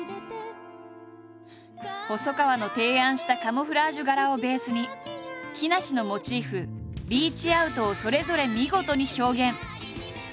細川の提案したカモフラージュ柄をベースに木梨のモチーフＲＥＡＣＨＯＵＴをそれぞれ見事に表現。